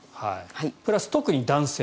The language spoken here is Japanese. プラス特に男性。